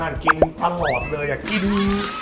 นั่นกินผละหอกเลยอะกินิ๊